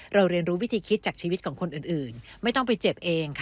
เรียนรู้วิธีคิดจากชีวิตของคนอื่นไม่ต้องไปเจ็บเองค่ะ